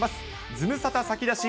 ズムサタ先出し！